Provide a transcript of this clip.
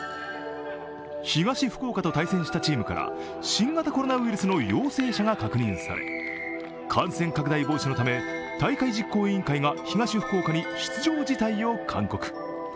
東福岡と対戦したチームから新型コロナウイルスの陽性者が確認され感染拡大防止のため大会実行委員会が東福岡に出場辞退を勧告。